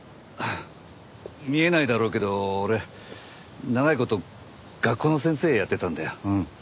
見えないだろうけど俺長い事学校の先生やってたんだよ。